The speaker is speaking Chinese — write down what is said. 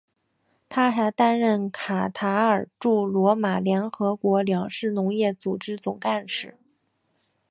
他还担任卡塔尔驻罗马联合国粮食农业组织总干事。